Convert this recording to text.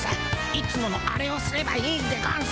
いつものアレをすればいいんでゴンス。